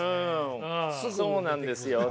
そうなんですよね。